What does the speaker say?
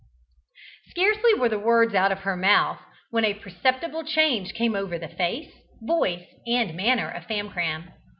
Scarcely were the words out of her mouth when a perceptible change came over the face, voice, and manner of Famcram.